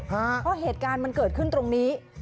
เพราะเหตุการณ์มันเกิดขึ้นตรงนี้